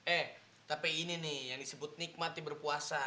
eh tapi ini nih yang disebut nikmat di berpuasa